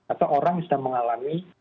atau orang yang sedang mengalami